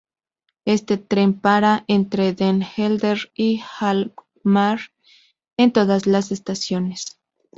Este tren para, entre Den Helder y Alkmaar, en todas las estaciones.